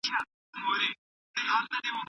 لنبې د انقلاب غواړي تیاره ډېره اوږده شوه